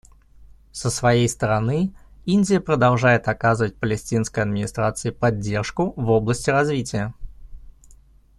Со своей стороны, Индия продолжает оказывать Палестинской администрации поддержку в области развития.